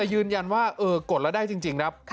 ยืนยันว่ากดแล้วได้จริงครับ